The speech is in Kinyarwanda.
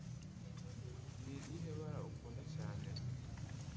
Ni irihe bara ukunda cyane